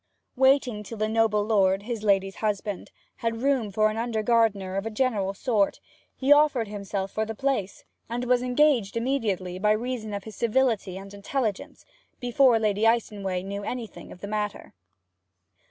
Waiting till the noble lord, his lady's husband, had room for an under gardener of a general sort, he offered himself for the place, and was engaged immediately by reason of his civility and intelligence, before Lady Icenway knew anything of the matter.